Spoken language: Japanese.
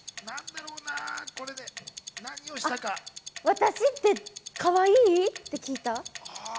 「私ってかわいい？」って聞いた。